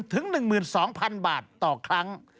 ๑๐๐๐๐ถึง๑๒๐๐๐บาทต่อครั้ง